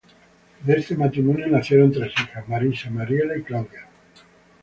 De este matrimonio nacieron tres hijas: Marisa, Mariela y Claudia.